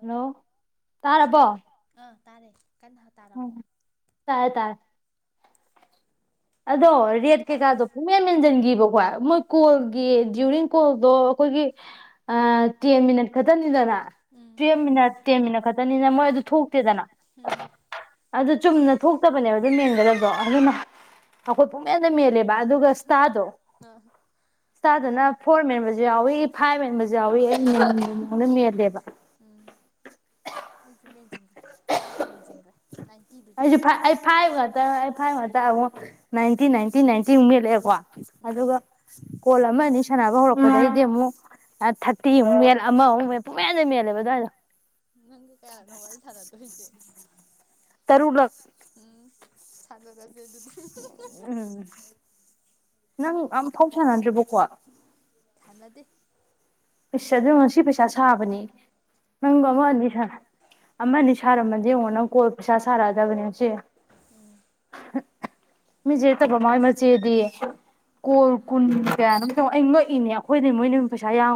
hello ꯇꯥꯔꯕꯣ ꯇꯥꯔꯦ ꯎꯝ ꯇꯥꯔꯦ ꯇꯥꯔꯦ ꯑꯗꯣ ꯔꯦꯠ ꯀꯩꯀꯥꯗꯣ ꯄꯨꯡ ꯃꯦꯟ ꯃꯦꯟꯁꯤꯟꯈꯤꯕꯀꯣ ꯃꯣꯏ ꯀꯣꯜꯒꯤ ꯗ꯭ꯌꯨꯔꯤꯡ ꯀꯣꯜꯗꯣ ꯑꯩꯈꯣꯏꯒꯤ ꯇꯦꯟ ꯃꯤꯅꯠ ꯈꯛꯇ ꯈꯛꯇꯅꯤꯗꯅ ꯇꯨꯌꯦꯜ ꯃꯤꯅꯠ ꯇꯦꯟ ꯃꯤꯅꯠ ꯈꯛꯇꯅꯤꯅ ꯃꯣꯏ ꯑꯗꯨ ꯊꯣꯛꯇꯦꯗꯅ ꯑꯗꯨ ꯆꯨꯝꯅ ꯊꯣꯛꯇꯕꯅꯦꯕ ꯑꯗꯨꯝ ꯃꯦꯟꯒꯗꯗꯣ ꯑꯗꯨꯅ ꯑꯩꯈꯣꯏ ꯄꯨꯨꯡꯃꯦꯟꯗ ꯃꯦꯜꯂꯦꯕ ꯑꯗꯨꯒ ꯏꯁꯇꯥꯗꯣ ꯏꯁꯇꯥꯗꯅ ꯐꯣꯔ ꯃꯦꯟꯕꯁꯨ ꯌꯥꯎꯋꯤ ꯐꯥꯏꯚ ꯃꯦꯟꯕꯁꯨ ꯌꯥꯎꯋ ꯑꯩꯗ ꯃꯦꯜꯂꯦꯕ ꯑꯩꯁꯨ ꯃꯦꯟꯁꯤꯟꯈ꯭ꯔꯦ ꯐꯥꯏꯚ ꯃꯦꯟꯁꯤꯟꯈ꯭ꯔꯦ ꯅꯥꯏꯟꯇꯤꯗꯨꯁꯨ ꯃꯦꯟꯁꯤꯟꯈ꯭ꯔꯦ ꯅꯥꯏꯇꯤ ꯅꯥꯏꯇꯤ ꯅꯥꯟꯇꯤ ꯃꯦꯂꯀꯥꯕꯥꯀꯣ ꯑꯗꯨꯒ ꯀꯣꯜ ꯑꯃ ꯑꯅꯤ ꯁꯥꯟꯅꯕ ꯍꯧꯔꯛꯄꯗꯒꯤꯗꯤ ꯑꯃꯨꯛ ꯊꯥꯔꯇꯤꯃꯨꯛ ꯃꯦꯜꯂ ꯑꯃꯃꯨꯛ ꯃꯦꯜ ꯄꯨꯃꯦꯟꯟꯅ ꯃꯦꯜꯂꯦꯕ ꯑꯗꯨꯋꯥꯏꯗꯣ ꯅꯪꯒ ꯀꯌꯥꯔ ꯅꯣ ꯋꯥꯏꯜ ꯊꯥꯗ ꯇꯣꯣꯏꯖꯦ [unintelligible] ꯇꯔꯨꯛ ꯔꯛ ꯁꯥꯟ ꯆꯦ [unintelligible] ꯎꯝ ꯅꯎ [unintelligible] ꯑꯝ ꯐꯥꯎ [inaudible] ꯀ [unintelligible] ꯁꯥꯟꯅꯗꯤꯦ ꯄꯁꯆꯥꯗꯖꯅ ꯁꯤ [unintelligible] ꯄꯩꯁꯥ ꯁꯥꯕꯅꯤ ꯅꯪꯕꯣ ꯑꯃ ꯑꯅꯤ ꯁꯥꯔꯝꯃꯗꯤ ꯌꯦꯡꯉꯣ ꯅꯪ ꯀꯣ ꯄꯩꯁꯥ ꯁꯥꯔꯛꯑꯗꯕꯅꯦ ꯆꯦ ꯃꯤꯆꯦꯠꯇꯕ ꯃꯥꯏ ꯃꯆꯦꯗꯤ ꯀꯣꯜ ꯀꯨꯟ ꯀꯌꯥꯅꯣꯣ ꯑꯩ ꯂꯣꯛꯏꯅꯦ ꯑꯩꯈꯣꯏꯗꯤ ꯃꯣꯏꯅ ꯑꯗꯨꯃꯤꯝ ꯄꯩꯁꯥ ꯌꯥ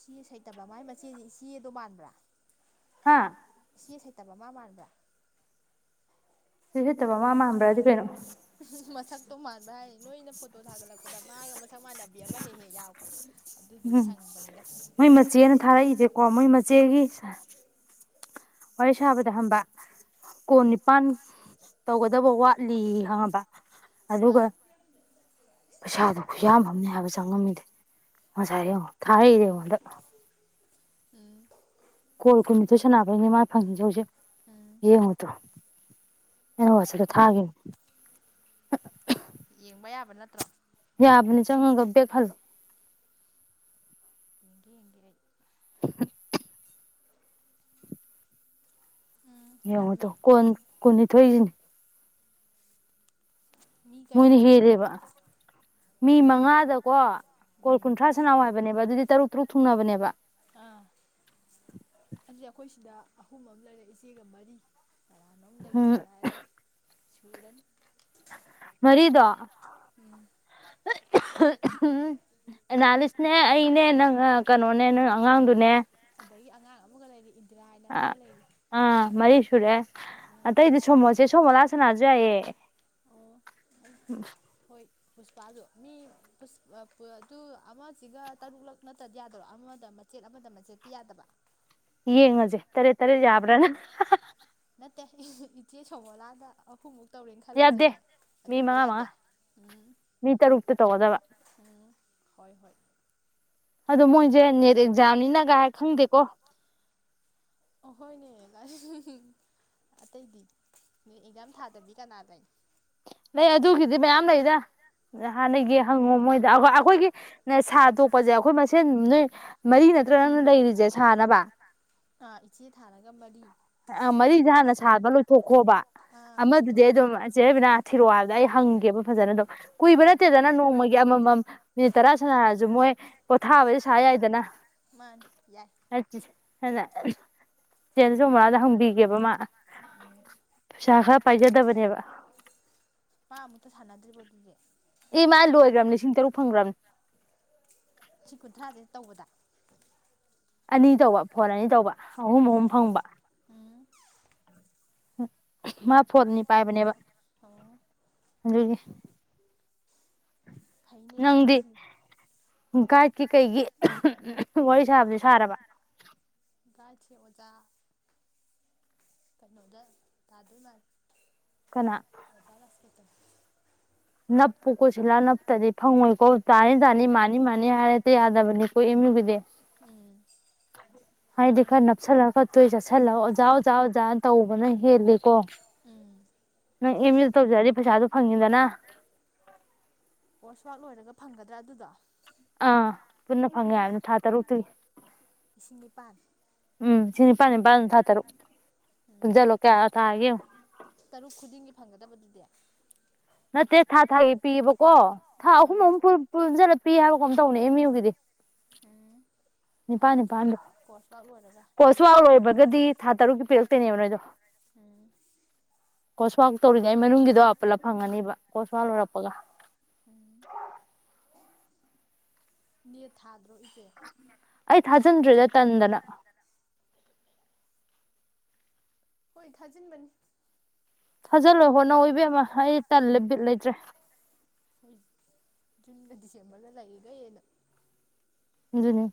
ꯁꯤ ꯁꯥꯏ ꯠꯇꯕ ꯃꯥꯏ ꯃꯆꯦꯁꯦ ꯏꯆꯦꯗꯣ ꯃꯥꯟꯕ꯭ꯔꯥ ꯍꯥꯥ ꯌꯦꯦ ꯍꯩꯇꯕ ꯃꯥ ꯃꯥꯟꯕꯥꯟꯕ꯭ꯔ ꯁꯤ ꯍꯦꯠꯇꯕꯃ ꯃꯝꯕ꯭ꯔꯥꯗꯤ ꯀꯩꯅꯣ ꯃꯁꯛꯇꯣ ꯃꯥꯟꯕ ꯍꯥꯏꯔꯤ ꯅꯣꯏꯅ ꯐꯣꯇꯣ ꯊꯥꯒꯠꯂꯛꯄꯗ ꯃꯥꯒꯤ ꯊꯛ ꯃꯥꯟꯅꯕꯤ ꯑꯃ ꯍꯦꯛ ꯍꯦꯛ ꯌꯥꯎꯏ ꯎꯝ ꯃꯣꯏ ꯃꯆꯦꯅ ꯊꯥꯔꯛꯏꯁꯦꯀꯣ ꯃꯣꯏ ꯃ ꯆꯦꯒꯤ ꯋꯥꯣꯏꯁꯕꯗ ꯍꯝꯕ ꯀꯣꯅꯤꯄꯥꯟ ꯇꯧꯒ ꯇꯕ ꯋꯥꯠꯂꯤ ꯈꯪꯉꯕ ꯑꯗꯨꯒ ꯄꯩꯁꯥꯗꯨꯣ ꯈꯨ ꯌꯥꯝꯝꯅꯦ ꯍꯥꯏꯕꯁꯦ ꯆꯪꯉꯝꯃꯤꯗ ꯃꯁꯥꯏꯉ ꯊꯥꯏꯗ ꯑꯩꯉꯣꯟꯗ ꯎꯝ ꯑꯩꯅ ꯋꯥꯠꯆꯦꯞꯇ ꯊꯥꯒꯤꯕꯅꯤ ꯑꯍ ꯌꯦꯡꯕ ꯌꯥꯕ ꯅꯠꯇ꯭ꯔꯣ ꯌꯥꯕꯅꯤ ꯆꯪꯉꯒ ꯕꯦꯛ ꯍꯜꯂꯣ ꯌꯦꯒꯦ ꯌꯦꯡꯒꯦ ꯑꯩ ꯌꯦꯉꯨ ꯇꯨ ꯀꯣꯟ ꯀꯨꯟꯅꯤ ꯊꯣꯏꯅꯤ ꯃꯣꯏꯅ ꯍꯦꯜꯂꯦꯕ ꯃꯤ ꯃꯉꯥꯗꯀꯣ ꯀꯣꯜ ꯀꯨꯟꯊ꯭ꯔꯥ ꯁꯅꯥꯎ ꯍꯥꯏꯕꯅꯦꯕ ꯑꯗꯨꯗꯤ ꯇꯔꯨꯛ ꯇꯔꯨꯛ ꯊꯨꯡꯅꯕꯅꯦꯕ ꯑꯥ ꯑꯗꯨ ꯑꯩꯈꯣꯏ ꯁꯤꯗ ꯑꯍꯨꯝ ꯑꯃ ꯂꯩꯔꯦ ꯏꯆꯦꯒ ꯃꯔꯤ ꯀꯔꯥꯅꯣꯝꯗꯒ ꯁꯥꯟꯅꯔꯗꯤ ꯁꯨꯔꯅꯤ ꯃꯔꯤꯗꯣ ꯑꯍꯨ ꯑꯍꯨꯝ ꯑꯦꯅꯥꯂꯤꯁꯅꯦ ꯑꯅꯦ ꯅꯪ ꯀꯩꯅꯣꯅꯦ ꯅꯪ ꯑꯉꯥꯡꯗꯨꯅꯦ ꯃꯒ ꯂꯩꯔꯤ ꯏꯟꯗꯤꯔꯥ ꯑ ꯑꯥ ꯃꯔꯤ ꯁꯨꯔꯦ ꯑꯇꯩꯗꯤ ꯁꯣꯝꯃꯣꯠꯁꯦ ꯁꯣꯃꯣ ꯂꯥꯛ ꯁꯅꯁꯨꯏꯌꯥꯢꯌꯦ ꯄꯨꯁꯄꯥꯗꯨ ꯃꯤ ꯄꯨꯁ ꯑ ꯑ ꯑꯗꯨ ꯑꯃꯁꯤꯒ ꯇꯔꯨꯛꯂꯛ ꯅꯠꯇꯗꯤ ꯌꯥꯗꯔꯣ ꯑꯃꯗ ꯃꯆꯦꯠ ꯑꯃꯗ ꯃꯆꯦꯠꯇꯤ ꯌꯥꯗꯕ ꯌꯦꯡꯉꯖꯦ ꯇꯔꯦ ꯇꯔꯦ ꯌꯥꯕ꯭ꯔꯥꯅ ꯍꯥꯍꯥꯍꯥ ꯅꯠꯇꯦ ꯏꯆꯦ ꯁꯣꯂꯗ ꯑꯍꯨꯝꯃꯨ ꯇꯧꯔꯦꯅ ꯈꯜꯂꯁꯤꯅꯦ ꯑꯗꯨꯝꯕ ꯌꯥꯗꯦ ꯎꯝ ꯎꯝ ꯍꯣꯏ ꯍꯣꯏ ꯑꯗꯣ ꯃꯣꯏꯁꯦ ꯅꯦꯠ ꯑꯦꯛꯖꯥꯝꯅꯤꯅ ꯀꯥꯏ ꯈꯪꯗꯦꯀꯣ ꯑꯍꯣꯏꯅꯦ ꯑꯍꯨꯍꯨꯡ ꯑꯇꯩꯗꯤ ꯅꯦ ꯑꯦꯛꯖꯥꯝ ꯊꯥꯗꯗꯤ ꯀꯅꯥ ꯂꯩ ꯂꯩ ꯑꯗꯨꯒꯤꯗꯤ ꯃꯌꯥꯝ ꯂꯩꯗ ꯍꯥꯟꯅꯒꯤ ꯍꯪꯉꯣ ꯃꯣꯏꯗ ꯑꯩꯈꯣꯏꯒꯤ ꯁꯥ ꯇꯣꯛꯄꯁꯦ ꯑꯩꯈꯣꯏ ꯃꯁꯦꯟ ꯅꯣꯏ ꯃꯔꯤ ꯅꯠꯇ꯭ꯔ ꯅꯪꯅ ꯂꯩꯔꯤꯁꯦ ꯁꯥꯅꯕ ꯑ ꯃꯔꯤꯖꯦ ꯍꯥꯟꯅ ꯁꯥꯕ ꯂꯣꯏꯊꯣꯛꯈꯣꯕ ꯑꯃꯗꯨꯗꯤ ꯑꯗꯨꯝ ꯏꯆꯦꯕꯤꯅꯥ ꯊꯤꯔꯛꯑꯣ ꯍꯥꯏꯕꯗ ꯑꯩ ꯍꯪꯒꯦꯕ ꯐꯖꯅ ꯑꯗꯨꯝ ꯀꯨꯏꯕ ꯅꯠꯇꯦꯗꯅ ꯅꯣꯡꯃꯒꯤ ꯑꯃꯃꯝ ꯃꯤꯅꯤꯠ ꯇꯔꯥ ꯁꯅꯔꯁꯨ ꯃꯣꯏ ꯄꯣꯊꯥꯕꯗꯤ ꯁꯥ ꯌꯥꯏꯗꯅ ꯍꯥ ꯍꯅ ꯆꯦꯁꯨ ꯃꯔꯥꯗ ꯍꯪꯕꯤꯒꯦꯕ ꯃꯥ ꯁꯥꯈꯥ ꯄꯥꯏꯖꯗꯕꯅꯦꯕ ꯃꯥ ꯑꯃꯨꯛꯇ ꯁꯥꯟꯅꯗ꯭ꯔꯤꯕꯣ ꯑꯗꯨꯗꯤ ꯑꯦ ꯃꯥ ꯂꯣꯏꯈ꯭ꯔꯕ ꯂꯤꯁꯤꯡ ꯇꯔꯨꯛ ꯐꯪꯈ꯭ꯔꯕꯅꯤ ꯁꯤ ꯀꯨꯟꯊ꯭ꯔꯥꯁꯦ ꯇꯧꯕꯗ ꯑꯅꯤ ꯇꯧꯕ ꯐꯣꯟ ꯑꯅꯤ ꯇꯧꯕ ꯑꯍꯨꯝ ꯑꯍꯨꯝ ꯐꯪꯕ ꯃꯥ ꯐꯣꯟꯅꯤ ꯄꯥꯏꯕꯅꯦꯕ ꯑꯗꯨꯒꯤ ꯐꯥꯏꯅꯦꯗꯨꯗꯤꯁꯤ ꯒꯥꯏꯠꯀꯤ ꯀꯩꯒꯤ ꯋꯥꯔꯤ ꯁꯥꯕꯁꯨꯦ ꯁꯥꯔꯕ ꯊꯖꯥ ꯀꯩꯅꯣꯗ ꯑ ꯑꯗꯨ ꯃꯥ ꯀꯅꯥ ꯅꯞꯄꯨ ꯀꯣ ꯁꯤꯜꯂꯥ ꯅꯞꯇꯗꯤ ꯐꯪꯉꯣꯏꯀꯣ ꯇꯥꯅꯤ ꯇꯥꯅꯤ ꯃꯥꯅꯤ ꯃꯥꯅꯤ ꯍꯥꯏꯔꯛꯇ ꯌꯥꯗꯕꯅꯤꯀꯣ ꯏꯃꯨꯒꯤꯗꯤ ꯍꯥꯏꯗꯤ ꯈꯔ ꯅꯞꯁꯜꯂ ꯈꯔ ꯇꯣꯏ ꯆꯠꯁꯤꯜꯂꯒ ꯑꯣꯖꯥ ꯑꯣꯖꯥ ꯑꯣꯖꯥꯅ ꯇꯧꯕꯅ ꯍꯦꯜꯂꯤꯀꯣ ꯅꯪ ꯑꯦꯝ ꯑꯦꯗ ꯇꯧꯖꯔꯗꯤ ꯄꯩꯁꯥꯗꯨꯣ ꯐꯪꯉꯤꯗꯅ ꯀꯣꯔꯁꯋꯥꯛ ꯂꯣꯏꯔꯒ ꯐꯪꯒꯗ꯭ꯔꯥ ꯑꯗꯨꯗꯣ ꯑꯥ ꯄꯨꯟꯅ ꯐꯪꯉꯦ ꯍꯥꯏꯕꯅ ꯊꯥ ꯇꯔꯨꯛꯇꯨꯒꯤ ꯏꯁꯤꯡ ꯅꯤꯄꯥꯜ ꯎ ꯁꯤ ꯄꯥ ꯄꯜ ꯈ ꯇꯔꯨꯖꯂꯣ ꯀ ꯊꯒꯦ ꯅꯠꯇꯦ ꯊꯥ ꯊꯥꯒꯤ ꯄꯤꯕꯀꯣ ꯊꯥ ꯑꯍꯨꯝ ꯑꯍꯨꯝ ꯐ ꯄꯨꯖꯅ ꯄꯤ ꯍꯥꯏ ꯐꯣꯝꯗ ꯍꯅꯦ ꯑꯦꯃꯤ ꯍꯧꯒꯤꯗꯤ ꯎꯝ ꯅꯤꯄꯥꯜ ꯅꯤꯄꯥꯜꯗꯣ ꯀꯣꯁꯋꯥꯛ ꯂꯣꯏꯕꯒꯗꯤ ꯊꯥ ꯇꯔꯨꯛꯀꯤ ꯄꯤꯔꯛꯇꯣꯏꯅꯦꯕ ꯅꯣꯏꯗꯣ ꯀꯣꯁꯋꯥꯛ ꯇꯧꯔꯤꯉꯩ ꯃꯅꯨꯡꯒꯤꯗꯣ ꯑꯄꯜꯂꯞ ꯐꯪꯉꯅꯦꯕ ꯀꯣꯁꯋꯥꯛ ꯂꯣꯏꯔ ꯄꯒ ꯅ ꯊꯥ ꯑꯩ ꯊꯥꯖꯤꯟꯗ꯭ꯔꯦꯗ ꯇꯟꯗꯅ ꯍꯣꯏ ꯊꯥꯖꯤꯟꯕꯅꯤ ꯊꯥꯖꯜꯂꯣ ꯍꯣꯠꯅꯧ ꯑꯣꯏꯕꯤ ꯑꯃ ꯑꯩ ꯇꯦꯕꯤꯠ ꯂꯩꯇ꯭ꯔꯦ ꯖꯨꯟ ꯂ ꯗꯤꯁꯦꯝꯕꯔ ꯂ ꯂꯩꯏꯌꯦꯒ ꯌꯦꯅ ꯑꯗꯨꯅꯦ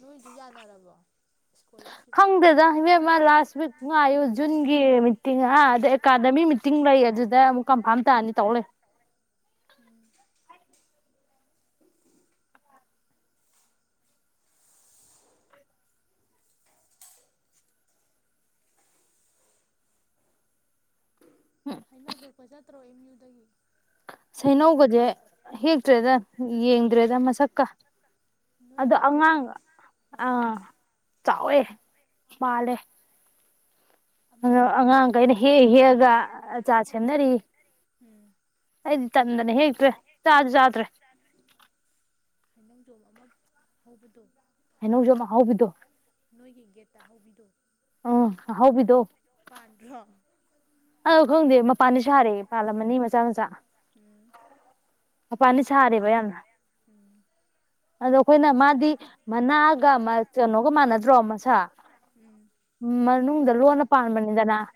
ꯅꯣꯏꯗꯨ ꯌꯥꯅꯔꯕꯣ ꯈꯪꯗꯦꯗ ꯏꯕꯦꯝꯃ ꯂꯥꯁ ꯋꯤꯛ ꯉꯥꯏꯌꯨ ꯖꯨꯟꯒꯤ ꯃꯤꯇꯤꯡꯥ ꯑꯗ ꯑꯦꯀꯥꯗꯃꯤ ꯃꯤꯇꯤꯡ ꯂꯩ ꯑꯗꯨꯗ ꯑꯃꯨꯛ ꯀꯟꯐꯥꯔꯝ ꯇꯥꯅꯤ ꯇꯧꯂꯦ ꯍꯩꯅꯧ ꯍꯦꯛꯄ ꯆꯠꯇ꯭ꯔꯣ ꯏꯦꯝ ꯌꯌꯨꯗꯒꯤ ꯁꯩꯅꯧꯕꯁꯦ ꯍꯦꯛꯇ꯭ꯔꯦꯗ ꯌꯦꯡꯗ꯭ꯔꯦꯗ ꯃꯁꯛꯀ ꯑꯗꯣ ꯑꯉꯥꯡ ꯑꯥ ꯆꯥꯎꯑꯦ ꯃꯥꯅꯦꯦ ꯑꯗꯣ ꯑꯉꯥꯡꯈꯩꯅ ꯍꯦꯛ ꯍꯦꯛꯑꯒ ꯑꯆꯥ ꯁꯦꯝꯅꯔꯤ ꯑꯩꯗꯤ ꯇꯟꯗꯅ ꯍꯦꯛꯇ꯭ꯔꯦ ꯆꯥꯁꯨ ꯆꯥꯗ꯭ꯔꯦ ꯍꯕꯨꯗꯨꯣ ꯍꯅꯖꯃ ꯍꯥꯎꯕꯤꯗꯣ ꯇꯥ ꯍꯧꯕꯕꯤꯗꯣ ꯑ ꯑꯗꯨ ꯄꯥꯟꯗ꯭ꯔꯣ ꯑꯗꯣ ꯈꯪꯗꯦ ꯃꯄꯥꯟꯗ ꯁꯥꯔꯦ ꯏꯄꯥꯥꯜꯂꯝ ꯑꯅꯤ ꯃꯆꯥ ꯃꯆꯥ ꯃꯄꯥꯟꯗ ꯁꯥꯔꯦꯕ ꯌꯥꯝꯅ ꯑꯗꯣ ꯑꯩꯈꯣꯏꯅ ꯃꯥꯗꯤ ꯃꯅꯥꯒ ꯀꯩꯅꯣꯒ ꯃꯥꯟꯅꯗ꯭ꯔꯣ ꯃꯁꯥ ꯃꯅꯨꯡ ꯗ ꯂꯨꯅ ꯄꯥꯅꯤꯗꯅ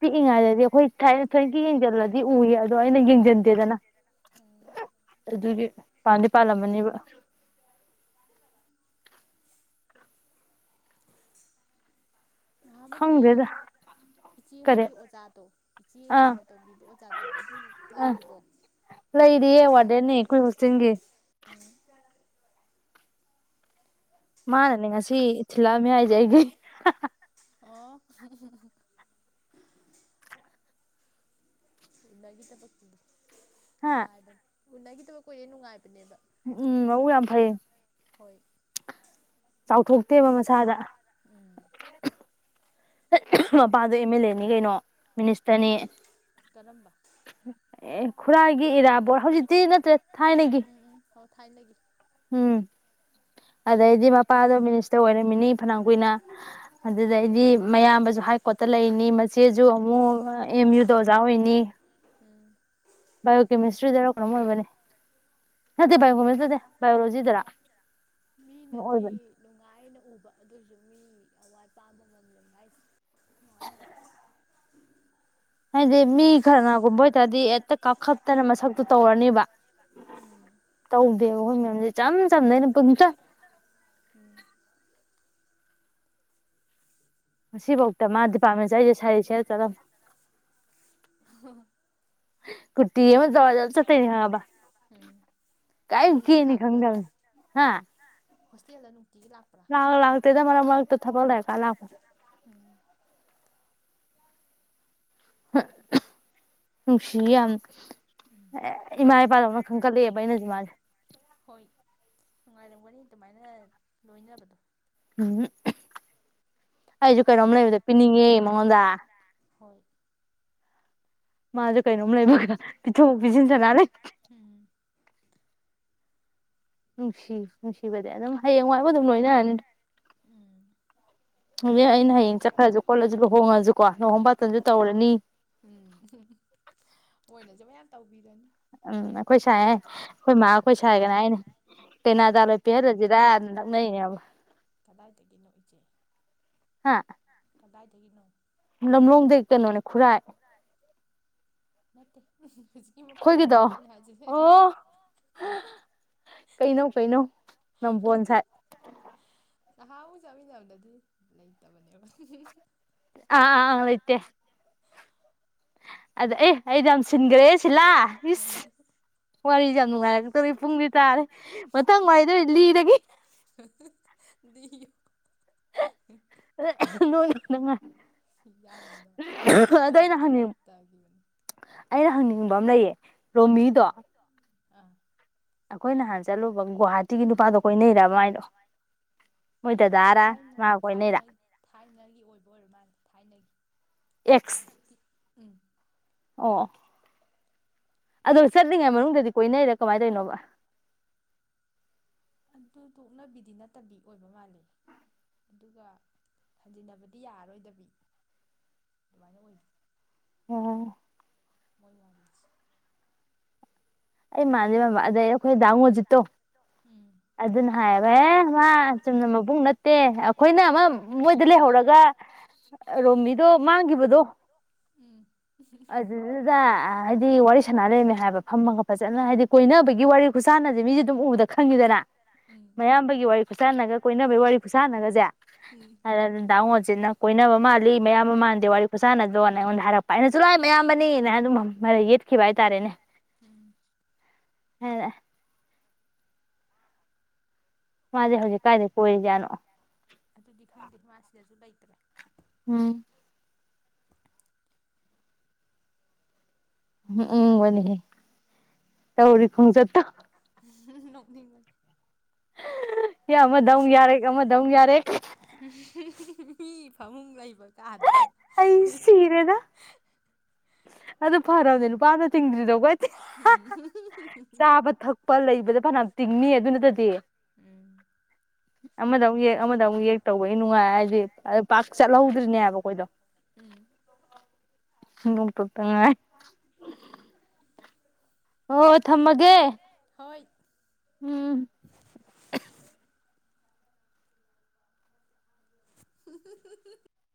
ꯄꯤꯛꯏꯉꯩꯗꯗꯤ ꯑꯩꯈꯣꯏ ꯊꯥꯏꯅ ꯊꯣꯏꯅꯀꯤ ꯌꯦꯡꯁꯤꯜꯂꯗꯤ ꯎꯏ ꯑꯗꯣ ꯑꯩꯅ ꯌꯦꯡꯁꯤꯟꯗꯦꯗꯅ ꯑꯗꯨꯒꯤ ꯄꯥꯥꯟꯗꯤ ꯄꯥꯜꯂꯝꯃꯅꯦꯕ [unintelligible] ꯉꯍꯥꯃꯨꯛꯀꯤ ꯏꯆꯦꯍꯣꯏꯒꯤ ꯑꯣꯖꯥꯗꯣ ꯏꯆꯦ ꯂꯨꯅ ꯇꯧꯕꯤꯕ ꯑꯣꯖꯥꯗꯣ ꯑꯗꯨ ꯂꯩꯔꯤꯕꯣ ꯎꯝ ꯃꯥꯅꯅꯦ ꯉꯁꯤ ꯊꯤꯜꯂꯥ ꯃ ꯍꯥꯏꯏꯖꯒ ꯑꯣ ꯏꯒꯤ ꯇ ꯄ ꯅꯨꯡꯉꯥꯏꯗ ꯎꯅꯒꯤꯗꯕ ꯀꯣꯍꯦ ꯅꯨꯡꯉꯥꯏꯕꯅꯦꯕ ꯎꯝ ꯑꯎ ꯌꯥꯝ ꯐꯥꯏ ꯍꯣꯏ ꯆꯥꯎꯊꯣꯛꯇꯦꯕ ꯃꯁꯥꯗ ꯃꯄꯥꯗꯣ ꯑꯦꯝ ꯑꯦꯜ ꯑꯦꯅꯤ ꯀꯩꯅꯣꯅꯤꯁ ꯇꯅꯤ ꯑꯦ ꯈꯨꯔꯥꯏꯒꯤ ꯏꯔꯥꯕꯣꯠ ꯍꯧꯖꯤꯛꯇꯤ ꯅꯠꯇ꯭ꯔꯦ ꯊꯥꯏꯅꯒꯤ ꯑꯣ ꯊꯥꯏ ꯂꯩꯒ ꯎꯝ ꯑꯗꯩꯗꯤ ꯃꯄꯥꯗꯣ ꯃꯤꯅꯤꯁꯇꯔ ꯑꯣꯏꯔꯝꯃꯤꯅꯤ ꯐꯅ ꯀꯨꯏꯅ ꯑꯗꯨꯗꯩꯗꯤ ꯃꯌꯥꯝꯕꯁꯨ ꯍꯥꯏ ꯀꯣꯔꯠꯇ ꯂꯩꯅꯤ ꯃꯆꯦꯁꯨ ꯑꯃꯨꯛ ꯑꯦꯝ ꯌꯨꯗ ꯑꯣꯖꯥ ꯑꯣꯏꯅꯤ ꯕꯥꯏꯑꯣꯀꯦꯃꯤꯁꯇ꯭ꯔꯤꯗꯔ ꯀꯔꯝ ꯑꯣꯏꯕꯅꯤ ꯅꯠꯇꯦ ꯕꯥꯏꯑꯣꯀꯦꯃꯤꯁꯇ꯭ꯔꯤꯗ ꯕꯥꯏꯑꯣꯂꯣꯖꯤꯗꯔ ꯃꯤꯅꯗꯤ ꯅꯨꯡꯉꯥꯏꯅ ꯎꯕ ꯑꯗꯨꯁꯨ ꯃꯤ ꯑꯋꯥꯠ ꯄꯥꯝꯕ ꯉꯝꯂꯣꯏ ꯍꯥꯏꯁꯦ [unintelligible] ꯍꯥꯏꯗꯤ ꯃꯤ ꯈꯔꯅꯥꯒꯨꯝꯕ ꯆꯗꯤ ꯍꯦꯛꯇ ꯀꯥꯈꯠꯇꯅ ꯃꯁꯛꯇꯨ ꯇꯧꯔꯅꯦꯕ ꯇꯧꯗꯦꯕ ꯑꯩꯈꯣꯏ ꯃꯌꯥꯝꯁꯦ ꯆꯝ ꯆꯝꯅꯩꯅ ꯄꯨꯡꯆ ꯃꯁꯤꯁꯤꯕꯥꯎ ꯃꯥꯗꯤ ꯄꯥꯝ ꯆꯥꯏꯦ ꯁꯔꯤ ꯆꯦꯔ ꯆ ꯀꯨꯇꯤ ꯖ ꯆ ꯇꯅꯤ ꯍꯪꯕ ꯀꯥꯏ ꯀꯅꯤ ꯈꯪꯗꯅꯤ ꯍꯥ ꯐꯁꯦꯌꯥꯗꯅꯣ ꯂꯥꯛ ꯂꯥꯛ ꯇꯗ ꯃ ꯃꯒ ꯇ ꯊꯄꯗꯑ ꯀꯂꯄ ꯎ ꯁꯤꯌꯥ ꯑꯦ ꯏꯃꯥ ꯏꯄꯥꯗꯧꯅ ꯈꯟꯒꯠꯂꯛꯑꯦꯕ ꯑꯩꯅꯁꯨ ꯃꯥꯜꯁꯦ ꯍꯣꯏ ꯅꯨꯡꯉꯥꯏꯔꯝꯒꯅꯤ ꯑꯗꯨꯃꯥꯏꯅ ꯂꯣꯏꯅꯕꯗꯣ ꯎꯝ ꯑꯩꯁꯨ ꯀꯩꯅꯣꯝ ꯂꯩꯕꯗ ꯄꯤꯅꯤꯡꯉꯤ ꯃꯉꯣꯟꯗ ꯍꯣꯏ ꯃꯥꯖꯨ ꯀꯩꯅꯣꯝ ꯂꯩꯕꯅ ꯄꯤꯊꯣꯛ ꯄꯤꯁꯤꯟ ꯁꯅꯥ ꯂꯩ ꯎꯝ ꯅꯨꯡꯁꯤ ꯅꯨꯡꯁꯤꯕꯗꯤ ꯑꯗꯨꯝ ꯍꯌꯦꯡꯋꯥꯏꯕꯨ ꯑꯗꯨꯝ ꯂꯣꯏꯅꯔꯅꯤ ꯎꯝ ꯑꯩꯅ ꯍꯌꯦꯡ ꯆꯠꯈ꯭ꯔꯁꯨ ꯀꯣꯠꯂꯖꯨ ꯂꯨꯍꯣꯡꯉꯁꯨ ꯀꯣ ꯂꯨꯍꯣꯡ ꯕꯥꯇꯣꯟꯁꯨ ꯇꯧꯔꯅꯤ ꯌꯥꯝ ꯇꯧꯕꯤꯔꯅꯤ ꯎꯝ ꯑꯩꯈꯣꯏ ꯁꯥꯏ ꯑꯩꯈꯣꯏ ꯃꯥ ꯑꯩꯈꯣꯏ ꯁꯥꯏꯒꯅꯥ ꯍꯥꯏꯅꯤ ꯀꯩꯅꯥ [unintelligible] [unintelligible] [unintelligible] [unintelligible] ꯀꯗꯥꯏꯗꯒꯤꯅꯣ ꯏꯆꯦ ꯀꯗꯥꯏꯗꯒꯤꯅꯣ ꯂꯝꯂꯣꯡꯗ ꯀꯩꯅꯣꯅꯦ ꯈꯨꯔꯥꯏ ꯅꯠꯇꯦ ꯑꯩꯈꯣꯏꯒꯤꯗꯣ ꯑꯣ ꯀꯩꯅꯧ ꯀꯩꯅꯧ ꯅꯝꯕꯣꯟ ꯁꯥꯏꯠ ꯅꯍꯥꯟꯃꯨꯛ ꯆꯠꯃꯤꯟꯅꯕꯗꯗꯤ ꯂꯩꯇꯕꯅꯦꯕ ꯑꯥꯥ ꯑꯥ ꯑꯥ ꯂꯩꯇꯦ ꯑꯗ ꯑꯦ ꯑꯩꯗꯤ ꯁꯤꯟꯒ꯭ꯔꯦ ꯏꯁ ꯋꯥꯔꯤ [unintelligible] ꯄꯨꯡꯗꯤ ꯇꯥꯔꯦ ꯃꯊꯪ ꯃꯥꯏꯗ ꯂꯤꯔꯒꯦ [unintelligible] [unintelligible] ꯅꯪꯉ ꯌꯥꯝꯅ ꯑꯗꯨ ꯃꯇꯝꯗꯗꯤ ꯂꯩꯇꯕꯤꯅꯤ ꯑꯥ ꯑꯩꯈꯣꯏ ꯅꯍꯥꯟ ꯆꯠꯂꯨꯕ ꯒꯨꯍꯥꯇꯤꯒꯤ ꯊꯥꯏ ꯊꯥꯏꯅꯒꯤ ꯑꯣꯏꯕ ꯑꯣꯏꯔ ꯃꯥꯜꯂꯦ ꯊꯥꯏꯅꯒꯤ [unintelligible] ꯑꯣ ꯑꯗꯣ ꯆꯠꯂꯤꯉꯩ ꯃꯅꯨꯡꯗꯗꯤ ꯀꯣꯏꯅꯩꯔ ꯀꯃꯥꯏꯅ ꯇꯧꯔꯤꯅꯣꯕ ꯇꯨ ꯇꯣꯛꯅꯕꯤꯗꯤ ꯅꯠꯇꯕꯤ ꯑꯣꯏꯕ ꯃꯥꯜꯂꯤ ꯑꯗꯨꯒ ꯍꯟꯖꯤꯟꯅꯕꯗꯤ ꯌꯥꯔꯔꯣꯏꯗꯕꯤ ꯑꯗꯨꯃꯥꯏꯅ ꯑꯣꯏ ꯑꯣ ꯃꯣꯏ ꯋꯥꯔꯤꯁꯤ ꯑꯩ ꯃꯥꯟꯗꯦ ꯃꯥꯟꯕ ꯑꯗꯩ ꯑꯩꯈꯣꯏ ꯗꯥꯃꯣꯖꯤꯠꯇꯣ ꯑꯗꯨꯅ ꯍꯥꯏꯌꯦ ꯑꯦ ꯃꯥ ꯆꯨꯝꯅ ꯃꯕꯨꯡ ꯅꯠꯇꯦ ꯑꯩꯈꯣꯏꯅ ꯑꯃ ꯃꯣꯏꯗ ꯂꯩꯍꯧꯔꯒ ꯔꯣꯃꯤ ꯑꯗꯣ ꯃꯥꯡꯈꯤꯕꯗꯣ ꯑꯗꯨꯗꯨꯗ ꯍꯥꯏꯗꯤ ꯋꯥꯔꯤ ꯁꯥꯅ ꯂꯩꯔꯝꯃꯦ ꯍꯥꯏꯕ ꯐꯝꯃꯒ ꯐꯖꯅ ꯍꯥꯏꯗꯤ ꯀꯣꯏꯅꯕꯒꯤ ꯋꯥꯔꯤ ꯈꯨꯁꯥꯟꯅꯁꯦ ꯃꯤꯁꯦ ꯑꯗꯨꯝ ꯎꯕꯗ ꯈꯪꯉꯤꯗꯅ ꯃꯌꯥꯝꯕꯒꯤ ꯋꯥꯔꯤ ꯈꯨꯠꯁꯥꯟꯅꯒ ꯀꯣꯏꯅꯕꯒꯤ ꯋꯥꯔꯤ ꯈꯨꯠꯁꯥꯟꯅꯒꯁꯦ ꯑꯗ ꯗꯥ ꯉꯣꯖꯤꯠꯅ ꯀꯣꯏꯅꯕ ꯃꯥꯜꯂꯤ ꯃꯌꯥꯝꯕ ꯃꯥꯟꯗꯦ ꯋꯥꯔꯤ ꯈꯨꯁꯥꯟꯅꯗꯣ ꯅꯉꯣꯟꯗ ꯍꯥꯏꯔꯛꯄ ꯑꯩꯅꯁꯨ ꯂꯥꯏ ꯃꯌꯥꯝꯕꯅꯤꯅ ꯑꯗꯨꯝ ꯃꯔꯩ ꯌꯦꯠꯈꯤꯕ ꯍꯥꯏꯇꯥꯔꯦꯅꯦ ꯍꯥꯏꯕ ꯃꯥꯁꯦ ꯍꯧꯖꯤꯛ ꯀꯥꯏꯗꯩ ꯀꯣꯏꯔꯤꯖꯥꯠꯅꯣ ꯎꯝ ꯎꯝ ꯎꯝ ꯃꯅꯦ ꯇꯧꯔꯤꯛ ꯈꯣꯡꯆꯠꯇ‌ꯣ ꯅ‌ꯣꯛꯅꯤꯡ ꯉ‌ꯦ ꯌꯥ ꯑꯃꯗ ꯑꯃꯨꯛ ꯌꯥꯔꯦꯞ ꯑꯃꯗ ꯑꯃꯨꯛ ꯌꯥꯔꯦꯞ ꯃꯤ ꯐꯃꯨꯡ ꯂꯩꯕ ꯀꯥꯗꯨꯗ ꯑꯩ ꯁꯤꯔꯦꯗ ꯑꯗꯨ ꯐꯔꯕꯅꯦ ꯂꯨꯄꯥ ꯑꯝꯇ ꯇꯤꯡꯗꯔꯤꯗꯣ ꯆꯥꯕ ꯊꯛꯄ ꯂꯩꯕꯗ ꯐꯅꯌꯥꯝ ꯇꯤꯡꯅꯤ ꯑꯗꯨ ꯅꯠꯇꯗꯤ ꯑꯃꯗ ꯑꯃꯨꯛ ꯌꯦꯛ ꯑꯃꯗ ꯑꯃꯨꯛ ꯌꯦꯛ ꯇꯧꯕꯒꯤ ꯅꯨꯡꯉꯥꯏ ꯍꯥꯏ ꯑꯗꯨ ꯄꯥꯛ ꯆꯠꯍꯧꯗ꯭ꯔꯤꯅꯦꯕ ꯑꯩꯈꯣꯏꯗꯣ ꯎꯝ [inaudible] ꯄꯨꯇ ꯉꯥꯏ ꯑꯣ ꯊꯝꯃꯒꯦ ꯍꯣꯏ